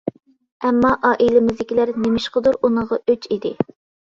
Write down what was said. ئەمما ئائىلىمىزدىكىلەر نېمىشقىدۇر ئۇنىڭغا ئۆچ ئىدى.